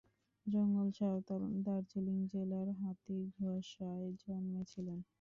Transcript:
জঙ্গল সাঁওতাল দার্জিলিং জেলার হাতিঘেঁষায় জন্মেছিলেন।